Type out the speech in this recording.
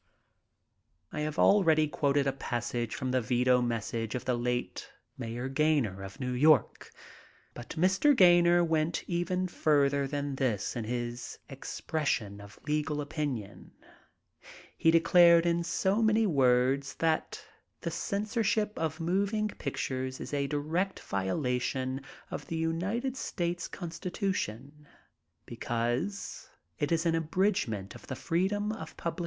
I have already quoted a passage from the veto mes sage of the late Mayor Gaynor of New York, but Mr. Gaynor went even further than this in his ex pression of legal opinion. He declared in so many words that the censorship of moving pictures is a direct violation of the United States G>nstitution, be cause it is an abridgement of the freedom of publi cation.